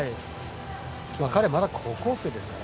彼、まだ高校生ですから。